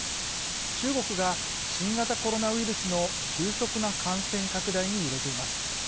中国が新型コロナウイルスの急速な感染拡大に揺れています。